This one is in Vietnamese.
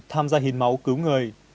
tham gia hiến máu cứu người